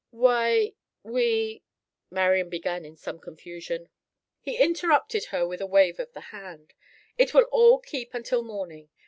"Why—we—" Marian began in some confusion. He interrupted her with a wave of the hand. "It will all keep until morning.